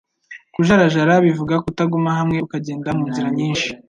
Kujarajara bivuga Kutaguma hamwe ukagenda mu nzira nyinshi;